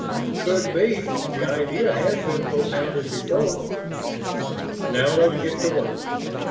"Could be. The idea has been propounded before." "Now let's get to work."